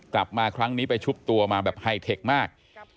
กลับมาครั้งนี้ไปชุบตัวมาแบบไฮเทคมาก